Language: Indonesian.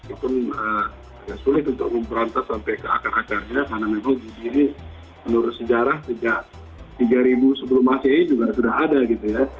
itu agak sulit untuk memberontas sampai ke akar akarnya karena memang gizi ini menurut sejarah sejak tiga ribu sebelum masehi juga sudah ada gitu ya